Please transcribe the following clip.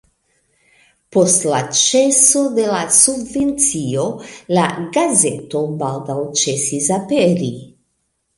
Post la ĉeso de la subvencio la gazeto baldaŭ ĉesis aperi.